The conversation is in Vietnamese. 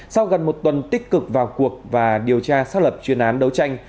sau gần một tuần tích cực vào cuộc và điều tra xác lập chuyên án đấu tranh